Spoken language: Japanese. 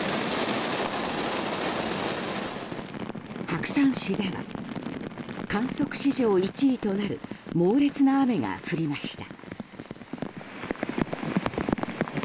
白山市では、観測史上１位となる猛烈な雨が降りました。